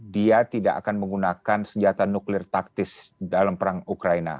dia tidak akan menggunakan senjata nuklir taktis dalam perang ukraina